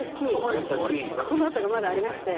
このあとがまだありまして。